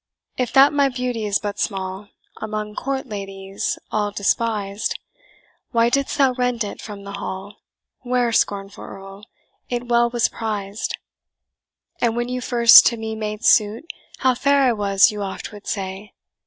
"If that my beauty is but small, Among court ladies all despised, Why didst thou rend it from that hall, Where, scornful Earl, it well was prized? "And when you first to me made suit, How fair I was you oft would say!